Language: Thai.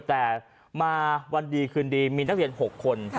แต่มาวันดีคืนดีมีนักเรียน๖คน